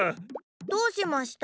どうしました？